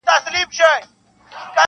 • کله کله به یې کور لره تلوار وو -